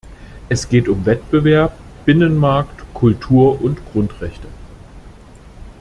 Es geht um Wettbewerb, Binnenmarkt, Kultur und Grundrechte.